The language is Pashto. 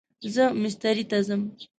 زه مستری ته ځم